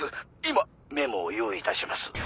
今メモを用意いたします。